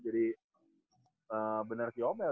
jadi bener sih yobel